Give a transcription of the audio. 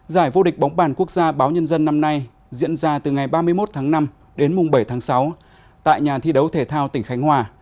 giải vô địch bóng bàn quốc gia báo nhân dân năm nay diễn ra từ ngày ba mươi một tháng năm đến mùng bảy tháng sáu tại nhà thi đấu thể thao tỉnh khánh hòa